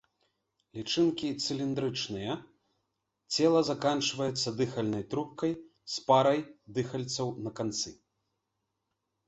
Лічынкі цыліндрычныя, цела заканчваецца дыхальнай трубкай з парай дыхальцаў на канцы.